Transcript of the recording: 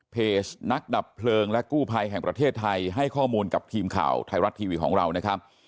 เพจนักดับเพลิงและกู้ภัยแห่งประเทศไทยให้ข้อมูลกับทีมข่าวไทยรัฐทีวีของเรานะครับ